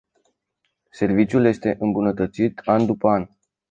Serviciul este îmbunătățit an după an.